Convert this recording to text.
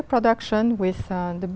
một cách tốt để